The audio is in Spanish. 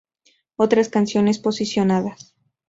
Otras canciones posicionadas.